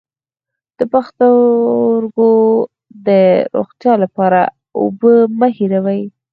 د پښتورګو د روغتیا لپاره اوبه مه هیروئ